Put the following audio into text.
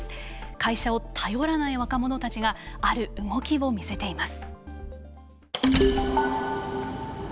会社を頼らない若者たちがある動きを見せています。